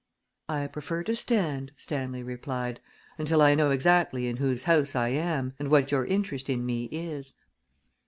"I prefer to stand," Stanley replied, "until I know exactly in whose house I am and what your interest in me is."